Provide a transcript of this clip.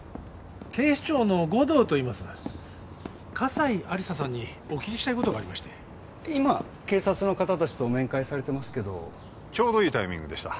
警視庁の護道といいます葛西亜理紗さんにお聞きしたいことがありまして今警察の方達と面会されてますけどちょうどいいタイミングでした